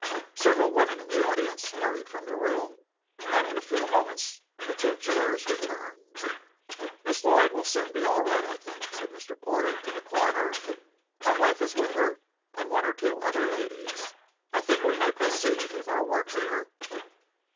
Several women in the audience hurried from the room, and in a few moments the two jurors returned. "Miss Lloyd will soon be all right, I think," said Mr. Porter to the coroner. "My wife is with her, and one or two other ladies. I think we may proceed with our work here."